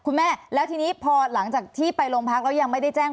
คุณแม่แล้วทีนี้พอหลังจากที่ไปโรงพักแล้วยังไม่ได้แจ้ง